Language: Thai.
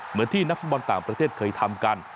เหมือนที่นักฟุตบอลต่างประเทศเคยทำกัน